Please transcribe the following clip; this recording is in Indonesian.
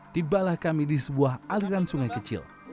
tibalah kami di sebuah aliran sungai kecil